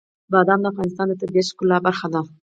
بادام د افغانستان د طبیعت د ښکلا برخه ده.